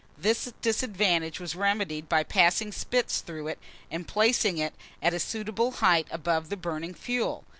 This disadvantage was remedied by passing spits through it, and placing it at a suitable height above the burning fuel.